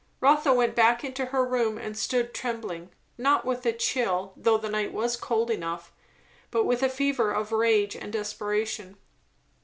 Rotha went back into her room and stood trembling, not with a chill, though the night was cold enough, but with a fever of rage and desperation.